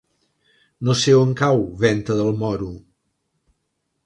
No sé on cau Venta del Moro.